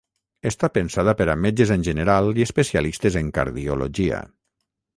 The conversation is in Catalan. Està pensada per a metges en general i especialistes en cardiologia.